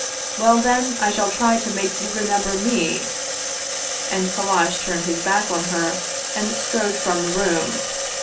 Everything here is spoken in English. "" Well, then, I shall try to make you remember me !" And Kallash turned his back on her and strode from the room.